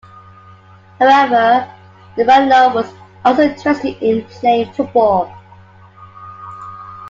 However, Faniello was also interested in playing football.